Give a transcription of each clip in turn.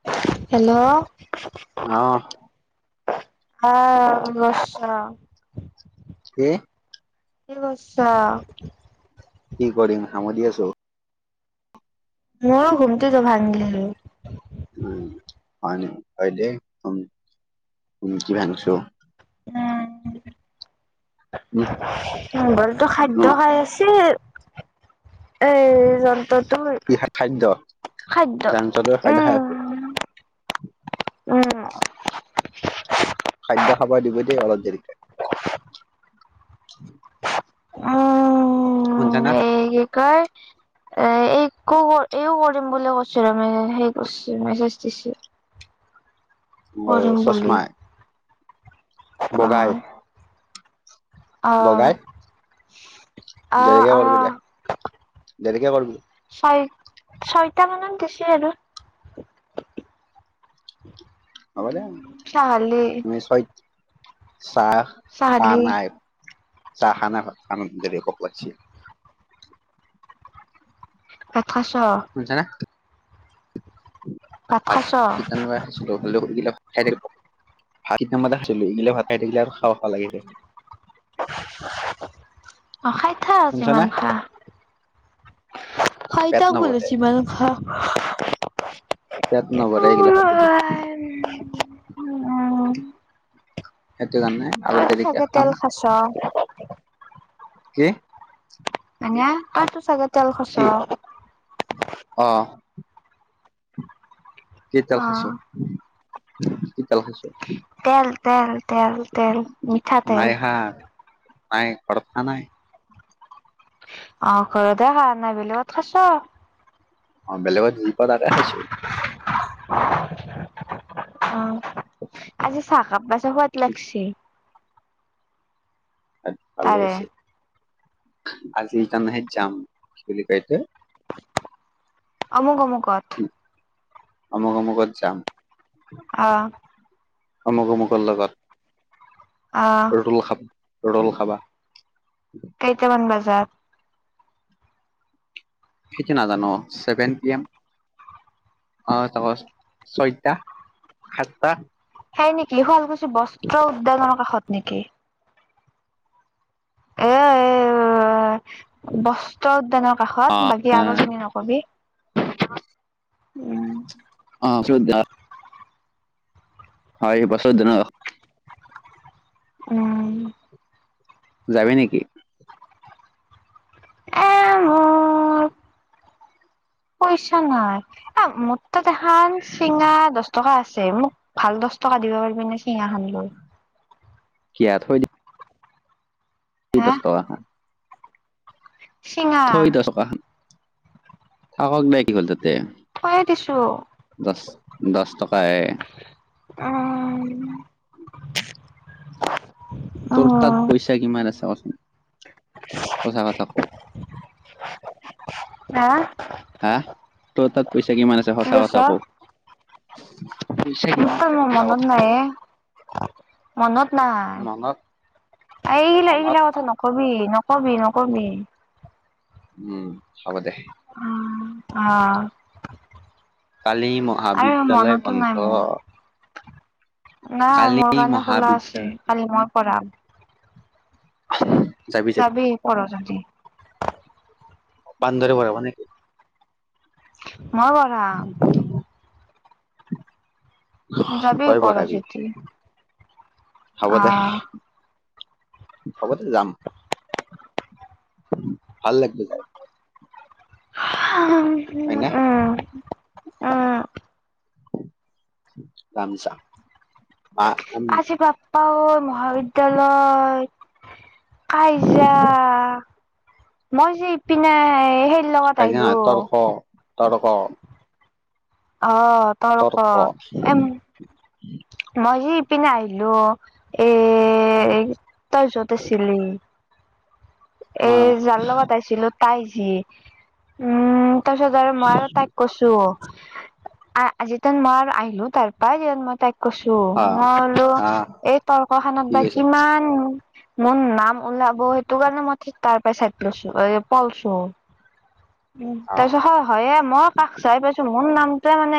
Hello অহ, হা, [unintelligible] কি? কি কৰিছা? কি কৰিম, হামেস দি আছো। মোৰো ঘুমটো ত ভাংলিলো। উ, হয়, অম, কি উম উ, মগলতো অ খাদ্য, খাই আছে এ য কি খা- খাদ্য খাদ্য খাদ্য খাই উম আছে উম অ', খাদ্য, খাব দিব দেই, অলপ দেৰিকে শুনিচা না? এ কি কয় এ একো এইও কৰিম বুলি কৈছো ৰ মে সেই কৰিছ মেছেজ দিছো। অ', বুলি চষ্মা? বগাই? আহ বগাই আহ দেৰিকে কৰিবি দে আহ। দেৰিকে কৰিবি ছয় ছয়টা মানত বেছি আৰু। [inaudible] হ'ব দে চাহালি ম চৈত চাহ চাহ চাহালি নাই চাহ খানে খান দে পক। [inaudible] শুনিচা নে? ভাত খাইছ? [inaudible] খছিলো এইিলাক ভ খাই থাকো ভাত কামটা খাইছিলো এইগিলাক ভাত খাই থাকিলে আৰু খ ভাল লাগিছে। অ', খাই থাক শুনছা না যিমান খা। খাই পেট থাক বোলো নভৰে যিমান খা। [inaudible] [inaudible] সেইটো কাৰণে আৰু তইতো চাগে দেৰিকে খাম। [inaudible] কি? মানে তই তো চাগে তেল খচ কি আৰু। অ'। কেইটাল অ খাইছো কিতাল খাইছ। তেল তেল তেল। মিঠাতেল। নাইহা নাই কথা নাই। অ', ঘৰ দো হা নাই ব কথা কৈছ। অ', বেলেগত য পা তাকে খাইিছো। অ', আজি চাহ কাবচ সোৱাদ লাগছে। ভালে তাৰে আছে আজি তাৰাহে যাম কি বুলি কাই। অমুক অমুকত। অমুক অমুকত যাম। অ'। অমুক অমুকৰ লগত। অ'। ৰল খাব ৰোল খাবা। কেইত মন বজাৰ? কেিক নাজানো চছেভেন পি এম। অ', চ ছয়টা সাতটা। সেই নেকি শুৱালকুছি বস্ত্ৰ উদ্যাননৰ কাষত নেকি? এ এ বস্ত্ৰ উদ্যানৰ কাষত বাকী আগৰ খিনি নকবি। উম [inaudible] হয় এই বস্ত্ৰ উম। যাবি নেকি? [inaudible] পইছা নহয় এ ম্ত দেহান চিঙা দ টকা আছে মোক ভাল দহ টকা দিব পাৰিবি নে চিঙা খান লৈ। কি যায়। হা দহ আহ। চিঙা [unintelligible] থৈয়ে দিছোঁ। দহ, দহ টকাই। অ'। [unintelligible] [inaudible] তোৰ উম পইচা কিমান আছে কচোন সঁচা কথা ক। হা হা, তোৰ তাত পইচা কিমান আছে কি সঁচা কৈছ কথা ক। পইচা কিমান মোৰ আছে [unintelligible] সঁচা মনত কথা ক নাই এ মনত নাই। মনত এই মনত এইগিলা-এইগিলা কথা নাই। ন'কবি, ন'কবি, ন'কবি। উম, হ'ব দে। উম, অ'। কালি আৰে মহাবিদ্যয়ালয় মনতো বন্ধ। নাই মোৰ নাই, কালি মোৰ কাৰণে খোলা আছে মহাবিদ্যালয় কালি মই কৰাম। যাবি। যাবি আহিবি পঢ় যদি বান্দৰে [unintelligible] মানে মই পঢ়াম। যাবি তই পঢ় পঢ়াবি যদি হ'ব দে। আহ হ'ব দে ভাল লাগিব যাই। হয়নে [unintelligible] ৰামছা। আজি বাপ্পা ঐ মহাবিদ্যালয়ত কাইজা মই, যে ইপিনে হেই লগত কাজিয়া নহয় আহিলোঁ। তৰ্ক [unintelligible] অ', তৰ্ক এ মই যে ইপিনে আহিলোঁ। এ ত‌ই য'ত আছিলি। এ, অ যাৰ লগত আহিছিলোঁ, তাই আহিছে, উম। তাৰ পিছত আৰু মই আৰু তাইক কৈছোঁ। আজি [unintelligible] মই আহিলো তাৰ পা কিন্তু মই তাইক। কৈছোঁ, মই বোলো অ এই কি তৰ্কখানত বা কৈছ কিমান? মোৰ নাম ওলাব সেইটো কাৰণে মই ঠিক-তাৰ পৰাই [unintelligible] [inaudible] উম, তাৰ পিছত হয় হয়ে মই কাষ চাই পাইছো। মোৰ নামটোৱে মানে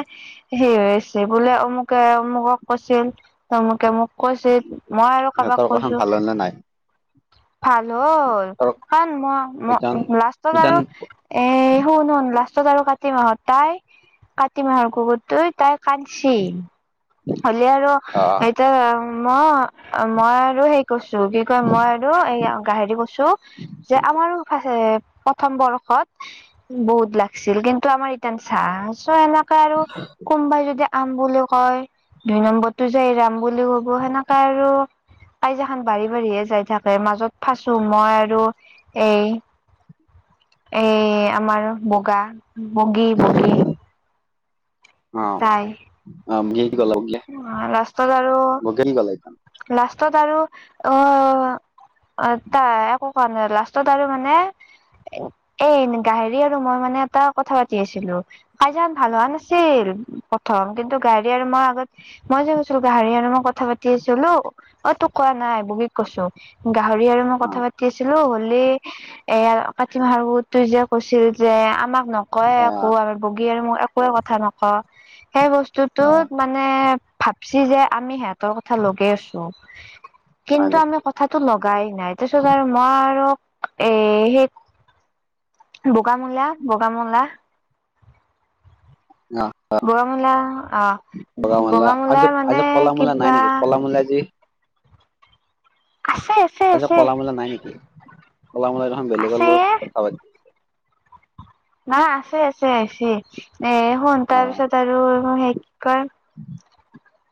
হেৰি হৈছে বোলে, অমুকে অমুকক কৈছিল, তেওঁলোকে মোক কৈছিল মই আৰু কাৰোবাক তৰ্কখন কৈছোঁ। ভাল হ'ল নে নাই ভাল হ'ল তৰ্ক কাৰণ মই-ম লাষ্টত আৰু এ, শুন শুন লাষ্টত আৰু কাতি মাহত তাই কাতি মাহৰ কুকুৰটোই তাইক কাটছি হ'লেও আৰু এতিয়া [unintelligible] অ', মই আৰু হেই কৰছো, কি কয় ম‌ই [unintelligible] এ প্ৰথম বৰ্ষত বহুত লাগিছিল, কিন্তু আমাৰ ইটান চা আছোঁ এনে। আৰু কোনবাই যদি আম বুলি কয় দুই নম্বৰটো যে এইৰাম বুলি কব সেনেকা আৰু কাইজা খন বাঢ়ি বাঢ়িয়ে যাই থাকে মাজত ফাচো মই আৰু এই-এই আমাৰ বগা-বগী, বগী। [unintelligible] অ', লাষ্টত আৰু লাষ্টত আৰু অ' অ', তাই একো কোৱা নাই, লাষ্টত আৰু মানে, এ গাহেৰি আৰু মই মানে এটা কথা পাতি আছিলোঁ। কাজিয়া ভাল হোৱা নাছিল প্ৰথম কিন্তু গাড়ী আৰু মই আগত, মই যে কৈছিলোঁ, গাহৰি আৰু মই কথা পাতি আছিলোঁ, অ', তোক কোৱা নাই বহীত, কৈছোঁ, গাহৰি আৰু মই কথা পাতি আছিলোঁ হ'লে, এইয়া কাতি মাহৰত তই যে কৈছিল যে আমাক নকয় একো আৰু- বগী আৰু মই একোৱে কথা নকওঁ, সেই হা বস্তুতত মানে, মানে ভাবছি যে আমি সিহঁতৰ কথা লগে আছোঁ হয় কিন্তু নেকি আমি- কথাটো লগাই নাই, তাৰপিত আৰু মই আৰু এ সেই- বগামূলা, বগামূলা, অ', অ', বগামূলা অ বগামূলা আজি, বগামূলাৰ মানে আজি কলা মূলা নাই কিবা নেকি কলামূলা আজি। আছে। আজি আছে কলা মূলা নাই নেকি? কলা মূলা দেখোন বেলেগৰ আছে লগত কথা পাতি- নাই আছে আছে আছে, এ শুন অ তাৰপিছত আৰু সে কি কয়,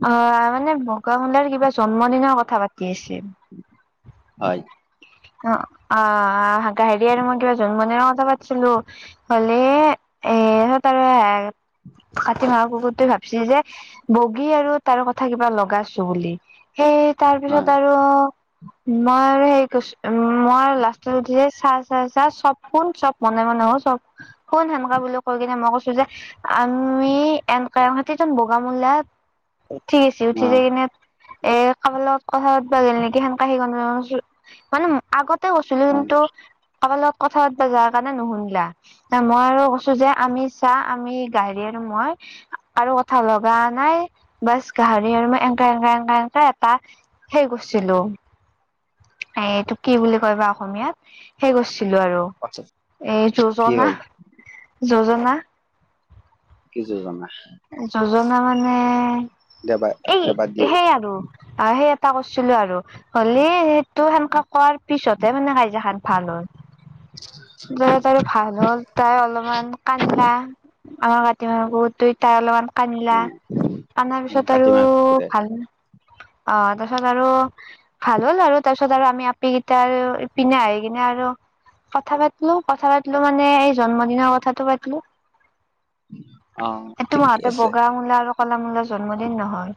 অ', মানে বগামূলাৰ কিবা জন্মদিনৰ কথা পাতি আছিল। হয়, অ', অ', গাহৰি আৰু মই কিবা জন্মদিনৰ কথা পাতিছিলোঁ। হ'লে এহত আৰু, কাতি মাহৰ কুকুৰটোৱে ভাবিছে যে বগী আৰু তাৰ কথা কিবা লগাইছো বুলি। সেই তাৰ হয় পিছত আৰু মই আৰু হেৰি কৈছোঁ। উম্, মই লাষ্টত উঠিছে চাহ চাই চাহ চব শোন চব মনে মনে হ চব, কোন সেনকা বুলি কৈ কিনে মই কৈছোঁ যে। আমি এন কা হাতীত বগামূলা, ঠিক আছে, উঠি অ যাই কিনে এ কাবা লগত কথা পাত বা নেকি মানে আগতে কৈছিলোঁ হয় কিন্তু কাৰোবাৰ লগত কথা পাতিব যোৱাৰ কাৰণে নুশুনিলা। মই আৰু কৈছোঁ যে আমি চাহ আমি গাহৰি আৰু মই- আৰু কথা লগাও নাই বাছ, গাহৰি আৰু মই এনেকা এনেকা এনেকা এ এটা সেই কৰিছিলোঁ। এ এইটো কি বুলি কয় বা অসমীয়াত, সেই কৰিছিলোঁ আৰু। পাছত এই কি যোজনা, হ'ল যোজনা। কি যোজনা। যোজনা মানে, দেবা এই দেবা দি সেই আৰু। অ', সেই এটা কৰিছিলোঁ আৰু হোলি সেইটো সেনেকা- খোৱাৰ পিছতহে মানে কাজিয়া খন ভাল হ'ল। যাই তাৰ আৰু ভাল হ'ল, তাই অলপমান কান্দলা। অ', কাতি মাহৰ তাই অলপমান কান্লা, উম কাণাৰ উম পিছত আৰু কাতিমা কুকুৰে ভাল- অ', তাৰপিছত আৰু। ভাল হ'ল আৰু তাৰপিছত আৰু আমি আপি কেইটা আৰু এইপিনে আহি কিনে আৰু। কথা পাতিলোঁ, কথা পাতিলোঁ মানে এই জন্মদিনৰ কথাাতটো পাতিলোঁ। অ এইটো ঠিকে মাহতে আছে বগা মূলা আৰু কলা মূলাৰ জন্মদিন নহয়।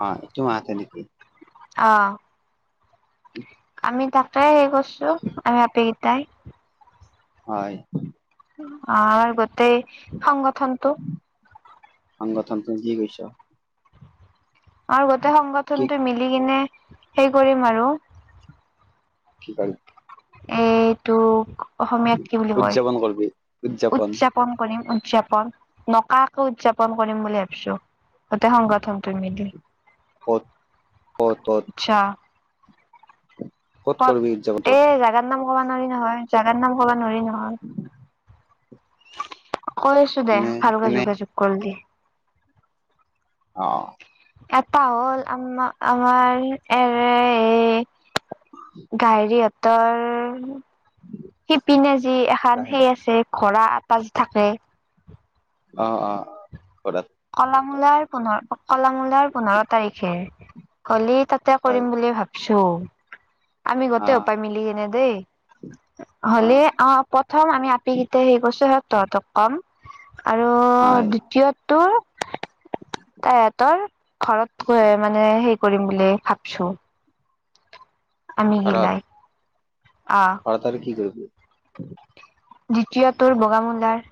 হয়, এইটো মাহতে নেকি? অ', আমি তাকে হেৰি কৰিছোঁ, আমি আপিকেইটাই। হয়। আৰু গোটেই সংগঠনটো। সংগঠনটো কি কৰিছ? আৰু গোটেই কি সংগঠনটো মিলি কিনে, সেই কৰিম আৰু। কি কৰিবি? এইটোক অসমীয়াত কি বুলি কয়, উদযাপন কৰিবি উদযাপন উতচ্চাপ। উদযাপন কৰিম, উদযাপন। নকাকে উদযাপন কৰিম বুলি ভাবিছো। গোটেই সংগঠনটো মিলি। ক'ত? ক'ত, ক'ত? আচছা। ক'ত হত, কৰিবি উদযাপনটো এ ৰাতিপুৱা। [unintelligible] জাগাত নাম ক'বা নোৱাৰি নহয়। জাগাত নাম ক'ব নোৱাৰি নহয়। কৈ আছো দে, এনে ভালকে এনে যোগাযোগ কৰি দি। অ। এটা হ'ল আম্মা আমাৰ এ গাইৰীহঁতৰ শিপিনে যি, এখন সেই আছে, ঘোঁৰা এটা থাকে। অ' অ' ঘোঁৰাত। [unintelligible] কল মূলাৰ পোন্ধৰ, কলামূলাৰ পোন্ধৰ তাৰিখে। হলি তাতে হয় কৰিম বুলি ভাব চ' আমি গোটেই আহ অপায় মিলি এনে দেই। হ'লে আহ অ' প্ৰথম আমি আপি কেইটা হেৰি কৰছোঁ হে তহঁতক ক'ম। আৰু হয় দ্বিতীয়টো তাই হতৰ ঘৰত গৈ মানে হে কৰিম বুলি ভাবছোঁ। আমি গিলাই। অ'। তাত আৰু কি কৰিব? দ্বিতীয়টোৰ বগামুলাৰ।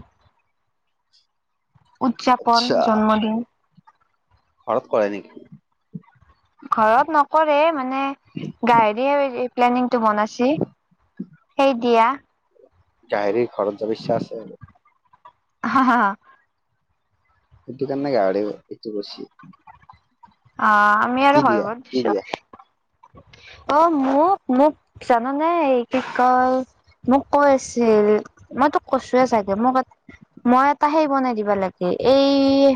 উদযাপন আচ্ছা, জন্মদিন ঘৰত কৰে নেকি? ঘৰত নকৰে মানে, [inaudible] প্লেনিংটো বনাইছে। সেই দিয়া। গাহেৰিৰ ঘৰত যাব ইচ্ছা আছে আৰু। [inaudible] সেইটো কাৰননে গা়হৰি এটো কৰ্চি। আহ, আমি আৰু হয়- ভয় কি দিছোঁ। দিয়া অ', মোক, মোক জানানে এই কি কয় মোক কৈ আছিল, মই তোক কৈচুয়ে চাগে মোক, মই এটা সেই বনাই দিবা লাগে এ, এই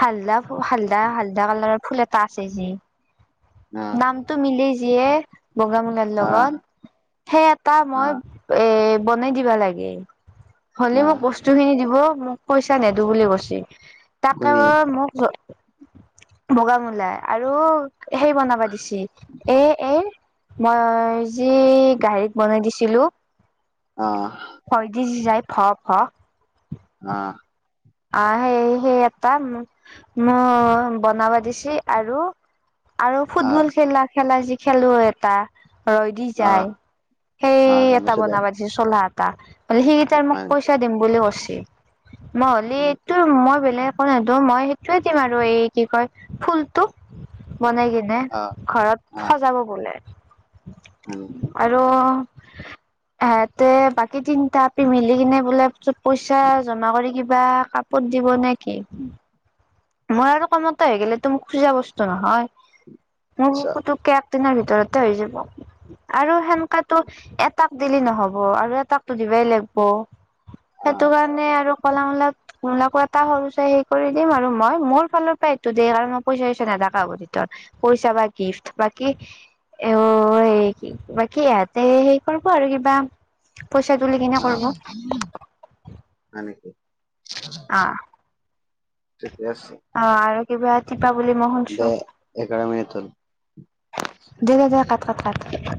হালদা, হালদা, হালদা, কালাৰৰ ফুল এটা আছে যে, আহ নামটো মিলি যিয়ে, বগাামুলাৰ আহ লগত সেই এটা মই আহ এ, বনাই দিবা লাগে। হ'লে মোক আহ বস্ত বস্তু খিনি দিব, মোক পইচা নেদো বুলি কৈছে। তাকে কোনে মোক বগা মূলাই আৰু সেই বনাব দিচি, এ-এৰ মই যি গাহৰিক বনাই দিছিলো। অ'। ভই দি যাই ভ ভ। অ'। আহ সেই, সেই এটা মোক ম বনাব দিছে আৰু আৰু আহ ফুটবল খেলা, খেলা খেকৈ যি খেলোৱৈই এটা। ৰৈ দি আহ যায়। সেই আহ গম এটা পাইছো দে বনাবা দিচি চোলা এটা। মানে সেইটো তাৰ মোক হয় নেকি? পইচা দিম বুলি কছি। মই হয় নেকি? এইটো মই বেলেগ একো নচ। মই সেইটোয়েই দিম আৰু এই কি কয় ফুলতটো। বনাই কিনে, আহ ঘৰত আহ সজাব বোলে। হয় নেকি? আৰু, সেহতে বাকী তিনিতা আপি মিলি কিনে বোলে চুত পইচা জমা কৰি কিবা কাপত দিব নেকি। মই আৰু কামতে হৈ গো মোক খোজা বস্তু নহয়, মোৰ আচ্ছা [inaudible] দিনৰ ভিতৰতে হৈ যাব। আৰু সেনেকটো এটাক দিলি নহ'ব আৰু এটাকতো দিবাই লাগিব। আহ সেইটো কাৰণে আৰু কলামূলাত মোলাকো এটা সৰুছে হে কৰি দিম আৰু মই মোৰ ফালৰ পৰাই এইটো দ কাৰণ মই পইচা পইচা নেথাকা হ' তিতৰ পইচা বা গিফ্ট বাকী অ, এই কি ক বাকী ইহঁতে হে কৰিব আৰু কিবা। পইচা তুলি কিনে আহ কৰিব। হয় নেকি, অ ঠিকে আছে। অ, আৰু কিবা এতিপা বুলি মই দে এঘাৰ শুন'ছো। মিনিট হ'ল দে দে দে কাত কাত কাম।